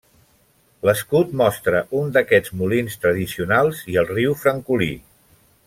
L'escut mostra un d'aquests molins tradicionals i el riu Francolí.